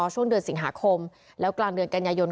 ช่วงเดือนสิงหาคมแล้วกลางเดือนกันยายน